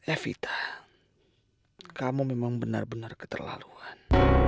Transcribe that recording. evita kamu memang benar benar keterlaluan